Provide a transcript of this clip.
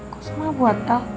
kok semua buat el